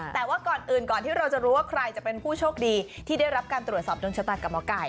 แต่ว่าก่อนอื่นก่อนที่เราจะรู้ว่าใครจะเป็นผู้โชคดีที่ได้รับการตรวจสอบดวงชะตากับหมอไก่